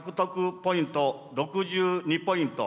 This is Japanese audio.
ポイント６２ポイント。